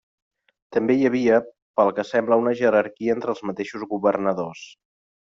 També hi havia, pel que sembla, una jerarquia entre els mateixos governadors.